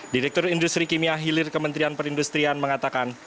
direktur industri kimia hilir kementerian perindustrian mengatakan